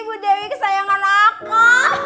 bu dewi kesayangan aku